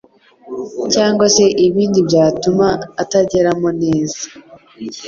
cyangwa se ibindi byatuma atageramo neza